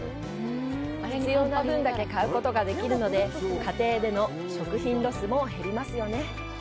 必要な分だけ買うことができるので、家庭での食品ロスも減りますよね！